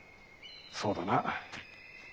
そうだなぁ。